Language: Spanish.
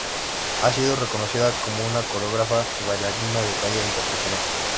Ha sido reconocida como una coreógrafa y bailarina de talla internacional.